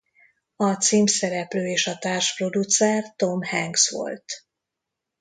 A címszereplő és a társproducer Tom Hanks volt.